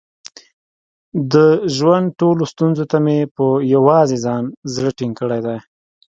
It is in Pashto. د ژوند ټولو ستونزو ته مې په یووازې ځان زړه ټینګ کړی دی.